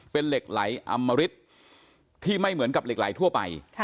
เป็นเหล็กไหลอำมริตที่ไม่เหมือนกับเหล็กไหลทั่วไป